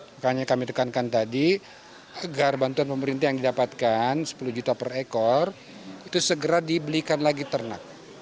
makanya kami tekankan tadi agar bantuan pemerintah yang didapatkan sepuluh juta per ekor itu segera dibelikan lagi ternak